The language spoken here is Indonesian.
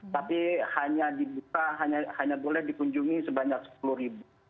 tapi hanya dibuka hanya boleh dikunjungi sebanyak sepuluh ribu